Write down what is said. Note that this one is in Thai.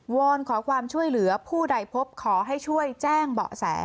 อนขอความช่วยเหลือผู้ใดพบขอให้ช่วยแจ้งเบาะแส